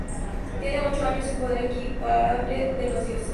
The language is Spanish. Tiene ocho años y un poder equiparable al de los dioses.